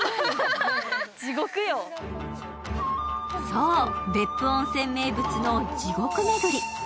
そう、別府温泉名物の地獄巡り。